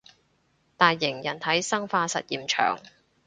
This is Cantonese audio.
大型人體生化實驗場